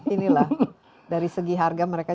inilah dari segi harga mereka